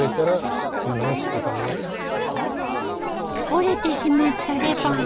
折れてしまったレバー。